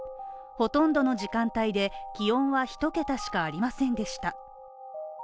ほとんどの時間帯で気温は１桁しかありませんでした。